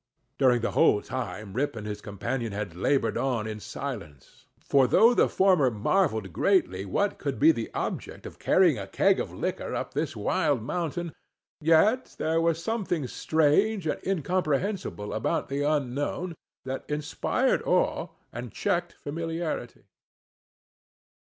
During the whole time Rip and his companion had labored on in silence; for though the former marvelled greatly what could be the object of carrying a keg of liquor up this wild mountain, yet there was something strange and incomprehensible about the unknown, that inspired awe and checked familiarity.